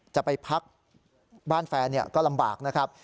จะไปพักบ้านแฟนก็ลำบากนะครับ